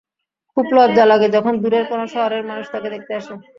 খুব লজ্জা লাগে যখন দূরের কোনো শহরের মানুষ তাঁকে দেখতে আসে।